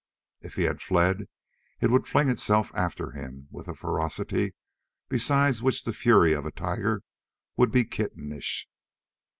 If he had fled, it would fling itself after him with a ferocity beside which the fury of a tiger would be kittenish.